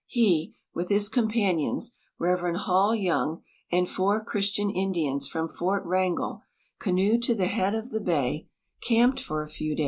He, with his com panions, Rev. Hall Young and four Christian Indians from Fort MT angell, canoed to the head of the bay, camped for a few da}'S, NAT.